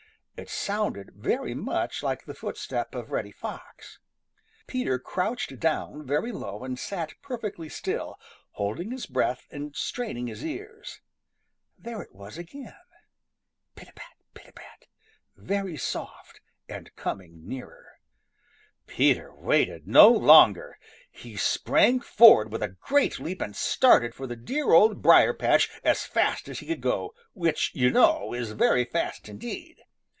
It sounded very much like the footstep of Reddy Fox. Peter crouched down very low and sat perfectly still, holding his breath and straining his ears. There it was again, pit a pat, pit a pat, very soft and coming nearer. Peter waited no longer. He sprang forward with a great leap and started for the dear Old Briar patch as fast as he could go, which, you know, is very fast indeed.